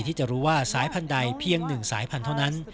ที่จะรู้ว่าสายพันธุ์ใดเพียง๑สายพันธุ์เท่านั้น